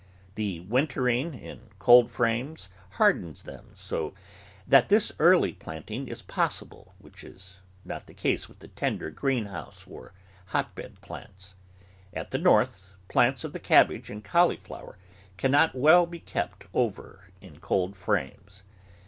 The wintering in cold frames hardens them, so that this early planting is possible, which is not the case with the tender greenhouse or hotbed plants. At the North, plants of the cabbage and cauliflower cannot well be kept over in coldframes.